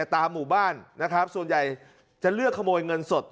ตามหมู่บ้านนะครับส่วนใหญ่จะเลือกขโมยเงินสด